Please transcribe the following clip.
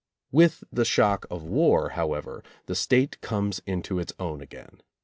With the shock of war, however, the State comes into its own again.